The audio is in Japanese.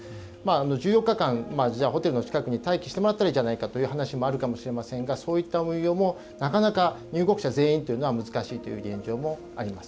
１４日間ホテルの近くに待機してもらったらいいじゃないかという話もありますがそういった運用もなかなか入国者全員というのは難しいという現状があります。